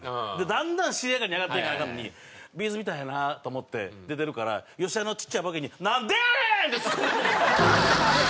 だんだん尻上がりに上がっていかなアカンのにＢ’ｚみたいやなと思って出てるから吉田のちっちゃいボケに「なんでやねーん！」ってツッコんでもうて。